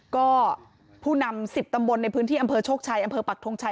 ก็ผู้นำ๑๐ตำบลในพื้นที่อำเภอโชคชัยอำเภอปักทงชัย